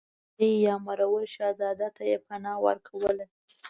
هر یاغي یا مرور شهزاده ته یې پناه ورکوله.